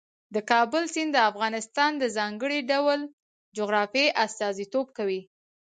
د کابل سیند د افغانستان د ځانګړي ډول جغرافیه استازیتوب کوي.